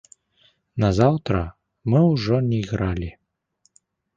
Назаўтра мы ўжо не гралі.